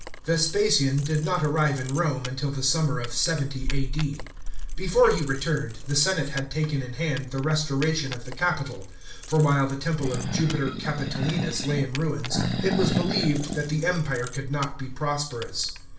§ 2. Vespasian did not arrive in Rome until the summer of 70 A.D. Before he returned, the senate had taken in hand the restoration of the Capitol, for while the temple of Jupiter Capito linus lay in ruins, it was believed that the Empire could not be prosperous.